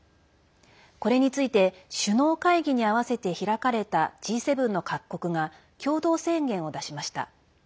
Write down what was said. これについて首脳会議に合わせて開かれたＧ７の各国が共同宣言を出しました。